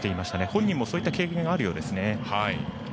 本人もそういった経験があるようですね。